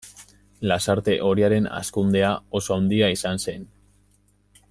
Lasarte-Oriaren hazkundea oso handia izan zen.